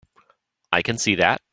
I can see that.